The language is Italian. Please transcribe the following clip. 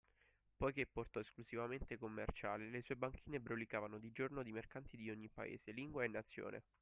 Poiché porto esclusivamente commerciale, le sue banchine brulicavano di giorno di mercanti di ogni paese, lingua e nazione